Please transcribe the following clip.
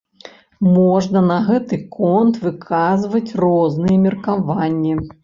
Можна на гэты конт выказваць розныя меркаванні.